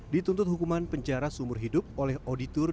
dituntut hukuman penjara seumur hidup oleh auditur